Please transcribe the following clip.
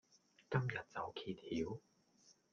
今日就揭曉